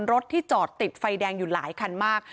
รถที่จอดติดไฟแดงอยู่หลายคันมาก